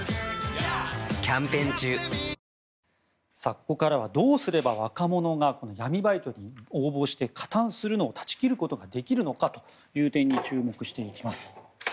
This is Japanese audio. ここからはどうすれば若者が闇バイトに応募して加担するのを断ち切ることができるのかという点に注目していきます。